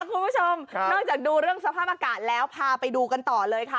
คุณผู้ชมนอกจากดูเรื่องสภาพอากาศแล้วพาไปดูกันต่อเลยค่ะ